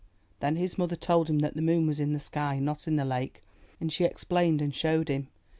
*' Then his mother told him that the moon was in the sky, not in the lake, and she explained and showed him.